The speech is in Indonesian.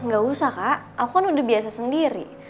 gak usah kak aku kan udah biasa sendiri